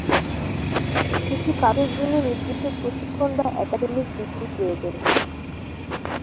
কিছু কাজের নির্দিষ্ট প্রশিক্ষণ বা একাডেমিক ডিগ্রি প্রয়োজন।